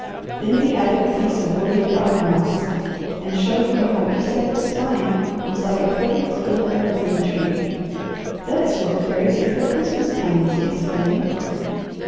Then he added a piece of woolly dog moss, and showed her how each separate spine was like a perfect little evergreen tree. "That is where the fairies get their Christmas pines," he explained.